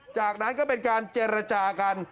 จากนั้นก็เป็นการเจรจากัน